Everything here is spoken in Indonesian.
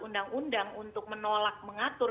undang undang untuk menolak mengatur